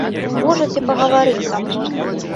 Можаце пагаварыць са мной.